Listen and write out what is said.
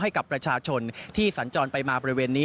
ให้กับประชาชนที่สัญจรไปมาบริเวณนี้